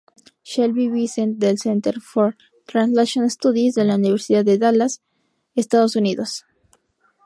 Shelby Vincent del Center for translation studies, de la Universidad de Dallas, Estados Unidos.